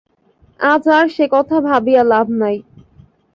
আজ আর সেকথা ভাবিয়া লাভ নাই।